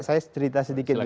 saya cerita sedikit dulu